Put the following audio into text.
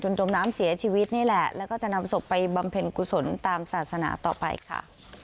จมน้ำเสียชีวิตนี่แหละแล้วก็จะนำศพไปบำเพ็ญกุศลตามศาสนาต่อไปค่ะ